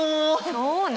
そうね。